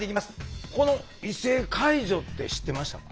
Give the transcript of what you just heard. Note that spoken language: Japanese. この異性介助って知ってましたか？